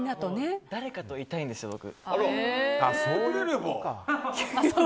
誰かといたいんですよ、僕。